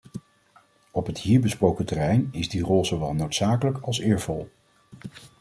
Op het hier besproken terrein is die rol zowel noodzakelijk als eervol.